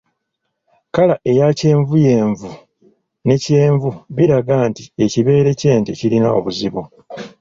Kkala eya kyenvuyenvu ne kyenvu biraga nti ekibeere ky’ente kirina obuzibu.